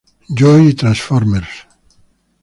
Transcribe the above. Joe" y "Transformers".